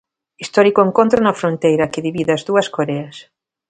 Histórico encontro na fronteira que divide as dúas Coreas.